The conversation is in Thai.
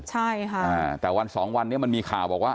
ใช่ค่ะแต่วันสองวันนี้มันมีข่าวบอกว่า